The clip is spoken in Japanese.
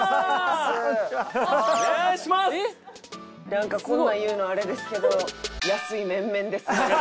なんかこんなん言うのあれですけど安い面々ですね。